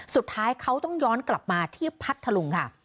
สุดท้ายเขาต้องย้อนกลับมาที่พัทธลุงค่ะ